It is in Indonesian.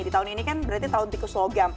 di tahun ini kan berarti tahun tikus logam